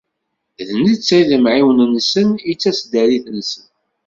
D netta i d amɛiwen-nsen, i d taseddarit-nsen.